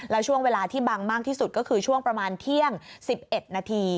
แล้วช่วงเวลาที่บังมากที่สุดก็คือช่วงประมาณเที่ยง๑๑นาที